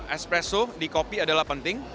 espresso di kopi adalah penting